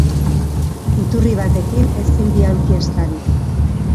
Iturri batekin ezin bi aulki estali.